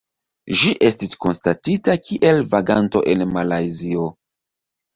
Ĝi estis konstatita kiel vaganto en Malajzio.